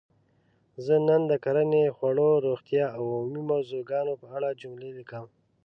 زه نن د کرنې ؛ خوړو؛ روغتیااو عمومي موضوع ګانو په اړه جملې لیکم.